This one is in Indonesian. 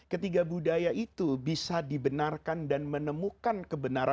ketiga budaya itu bisa dibenarkan dan menemukan kebenaran